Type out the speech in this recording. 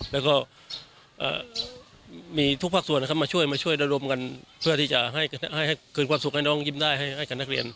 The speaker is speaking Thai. แล้วก็มีทุกภาคส่วนนะครับมาช่วยมาช่วยระดมกันเพื่อที่จะให้คืนความสุขให้น้องยิ้มได้ให้กับนักเรียน